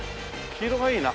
黄色がいいな。